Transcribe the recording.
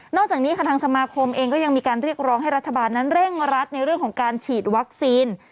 จากนี้ค่ะทางสมาคมเองก็ยังมีการเรียกร้องให้รัฐบาลนั้นเร่งรัดในเรื่องของการฉีดวัคซีน